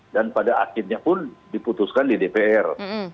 dan pada akhirnya pun diputuskan di dpr